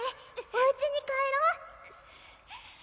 おうちに帰ろ？